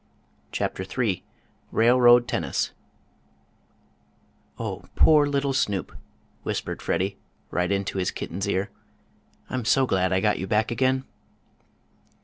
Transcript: CHAPTER III RAILROAD TENNIS "Oh, poor little Snoop!" whispered Freddie, right into his kitten's ear. "I'm so glad I got you back again!"